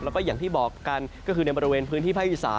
แล้วก็อย่างที่บอกกันก็คือในบริเวณพื้นที่ภาคอีสาน